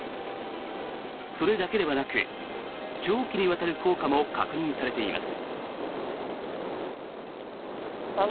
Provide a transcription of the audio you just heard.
それだけではなく長期にわたる効果も確認されています。